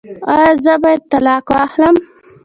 ایا زه باید طلاق واخلم؟